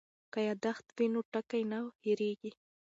که یادښت وي نو ټکی نه هېریږي.